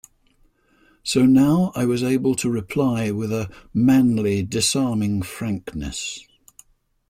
So now I was able to reply with a manly, disarming frankness.